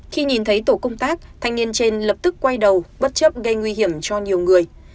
khi nhìn thấy tổ công tác thanh niên trên lập tức quay đầu bất chấp gây nguy hiểm cho nhiều người